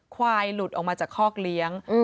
ควายหลุดออกมาจากคอกเลี้ยง